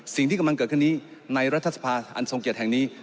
สิ่งที่กำลังเกิดขึ้นนี้ในรัฐสภาอันทรงเกียจแห่งนี้